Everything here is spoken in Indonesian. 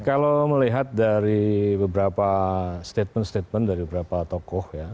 kalau melihat dari beberapa statement statement dari beberapa tokoh ya